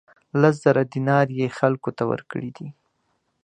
لس زره دینار یې خلکو ته ورکړي دي.